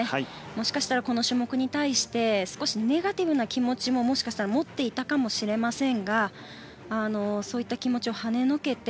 もしかしたらこの種目に対して少しネガティブな気持ちももしかしたら持っていたかもしれませんがそういった気持ちを跳ねのけて。